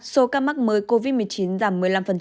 số ca mắc mới covid một mươi chín giảm một mươi năm